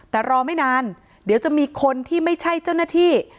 แต่รอไม่นานเดี๋ยวจะมีคนที่ไม่ใช่เจ้าหน้าที่